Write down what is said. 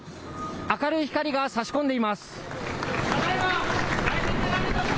明るい光がさし込んでいます。